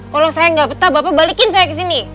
kalau saya nggak betah bapak balikin saya ke sini